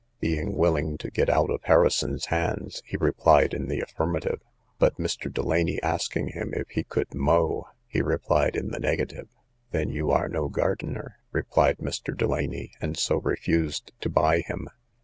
Being willing to get out of Harrison's hands, he replied in the affirmative; but Mr. Delany asking him if he could mow, he replied in the negative. Then you are no gardener, replied Mr. Delany, and so refused to buy him.